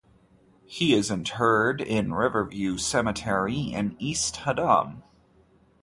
He is interred in Riverview Cemetery in East Haddam.